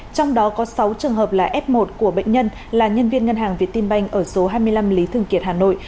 trong đó có sáu trường hợp là f một của bệnh nhân là nhân viên ngân hàng việt tinh banh ở số hai mươi năm lý thường kiệt hà nội